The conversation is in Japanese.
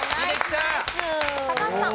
高橋さん。